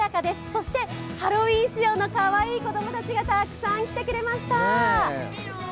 そしてハロウィーン仕様のかわいい子どもたちがたくさん来てくれました